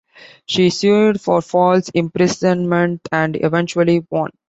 She sued for false imprisonment and eventually won.